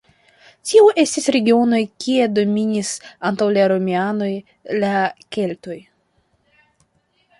Tio estis regionoj kie dominis antaŭ la romianoj la keltoj.